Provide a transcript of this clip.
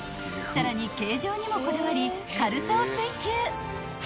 ［さらに形状にもこだわり軽さを追求］